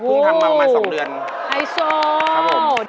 พึ่งทำมาประมาณ๒เดือนครับผมโอ้โฮไอโช